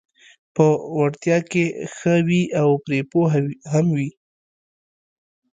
په وړتیا کې ښه وي او پرې پوه هم وي: